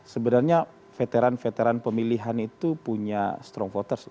sebenarnya veteran veteran pemilihan itu punya strong voters